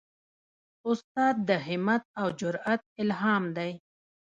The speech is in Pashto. استاد د همت او جرئت الهام دی.